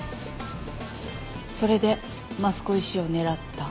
それで益子医師を狙った。